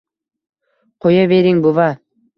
Qo‘yavering, buva!